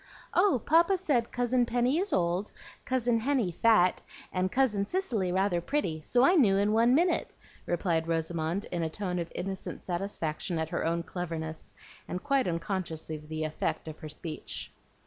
"Oh, Papa said Cousin Penny is old, Cousin Henny fat, and Cousin Cicely rather pretty; so I knew in one minute," replied Rosamond, in a tone of innocent satisfaction at her own cleverness, and quite unconscious of the effect of her speech.